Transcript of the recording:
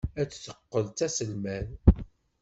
Ad teqqel d taselmadt.